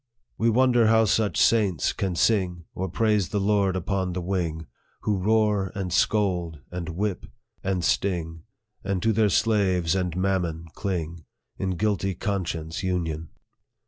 We wonder how such saints can sing, Or praise the Lord upon the wing, Who roar, and scold, and whip, and sting, And to their slaves and mammon cling, In guilty conscience union.